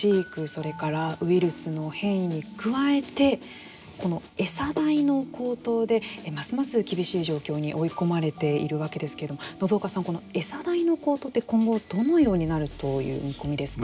それからウイルスの変異に加えてこのエサ代の高騰でますます厳しい状況に追い込まれているわけですけども信岡さん、このエサ代の高騰って今後、どのようになるという見込みですか。